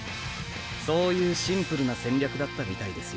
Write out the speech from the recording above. そういうシンプルな戦略だったみたいですよ